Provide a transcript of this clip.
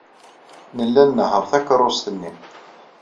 Nella nnehheṛ takeṛṛust-nni.